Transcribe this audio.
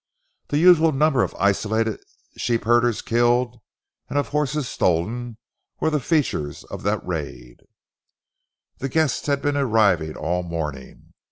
The usual number of isolated sheepherders killed, and of horses stolen, were the features of the raid. The guests had been arriving all morning.